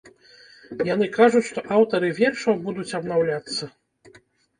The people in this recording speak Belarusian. Яны кажуць, што аўтары вершаў будуць абнаўляцца.